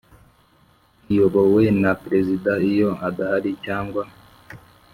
iyobowe na perezida Iyo adahari cyangwa